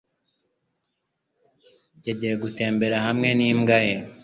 Yagiye gutembera hamwe n'imbwa ye.